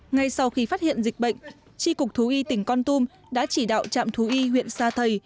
ngay sau khi phát hiện dịch bệnh tri cục thú y tỉnh con tum đã chỉ đạo trạm thú y huyện sa thầy